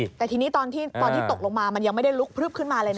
แต่ทีนี้ตอนที่ตกลงมามันยังไม่ได้ลุกพลึบขึ้นมาเลยนะ